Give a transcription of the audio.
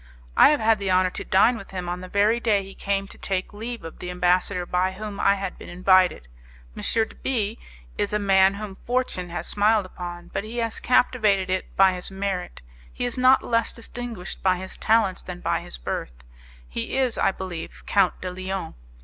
"I have had the honour to dine with him on the very day he came to take leave of the ambassador by whom I had been invited. M. de B is a man whom fortune has smiled upon, but he has captivated it by his merit; he is not less distinguished by his talents than by his birth; he is, I believe, Count de Lyon.